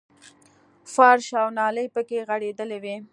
فرش او نالۍ پکې غړېدلې وې.